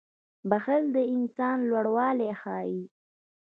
• بښل د انسان لوړوالی ښيي.